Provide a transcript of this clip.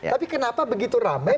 tapi kenapa begitu ramai